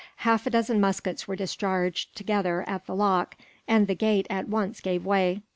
Half a dozen muskets were discharged, together, at the lock; and the gate at once gave way.